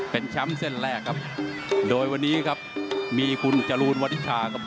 เป็นแชมป์เส้นแรกครับโดยวันนี้ครับมีคุณจรูนวัฒนิชาครับ